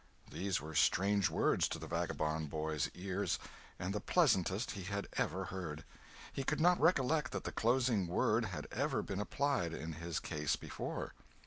These were strange words to the vagabond boy's ears, and the pleasantest he had ever heard. He could not recollect that the closing word had ever been applied in his case before.